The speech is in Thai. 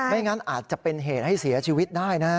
ไม่งั้นอาจจะเป็นเหตุให้เสียชีวิตได้นะ